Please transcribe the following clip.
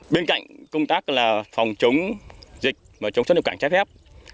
bên cạnh công tác là phòng chống dịch và chống xuất nhập cảnh trái phép